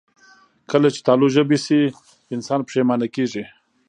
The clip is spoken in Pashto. کله چې تالو ژبې شي، انسان پښېمانه کېږي